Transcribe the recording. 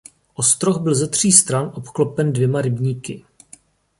Ostroh byl ze tří stran obklopen dvěma rybníky.